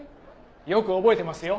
よく覚えてますよ。